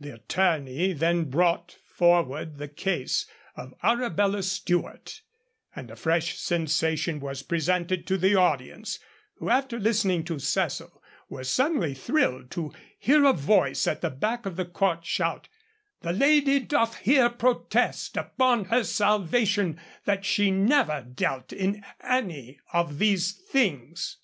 The Attorney then brought forward the case of Arabella Stuart, and a fresh sensation was presented to the audience, who, after listening to Cecil, were suddenly thrilled to hear a voice at the back of the court shout, 'The Lady doth here protest, upon her salvation, that she never dealt in any of these things.'